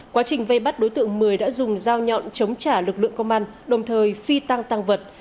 quá trình vây bắt đối tượng mười đã dùng dao nhọn chống trả lực lượng công an đồng thời phi tăng tăng vật